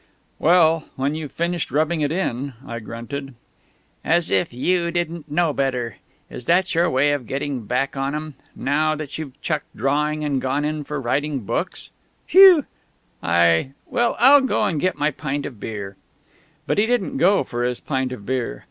_" "Well, when you've finished rubbing it in " I grunted. "As if you didn't know better!... Is that your way of getting back on 'em, now that you've chucked drawing and gone in for writing books? Phew I... Well, I'll go and get my pint of beer " But he didn't go for his pint of beer.